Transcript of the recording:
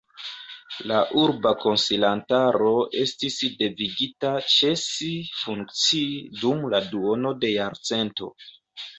La Urba Konsilantaro estis devigita ĉesi funkcii dum la duono de jarcento.